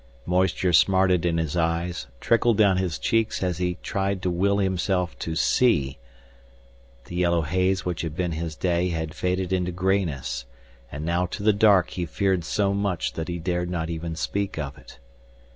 Moisture smarted in his eyes, trickled down his cheeks as he tried to will himself to see! The yellow haze which had been his day had faded into grayness and now to the dark he feared so much that he dared not even speak of it.